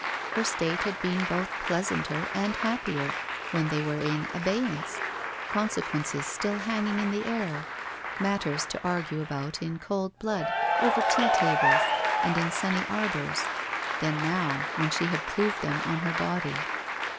Her state had been both pleasanter and happier when they were in abeyance, consequences still hanging in the air, matters to argue about in cold blood, over tea tables, and in sunny arbours, than now, when she had proved them on her body.